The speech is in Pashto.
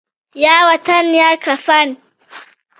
یا وطن یا کفن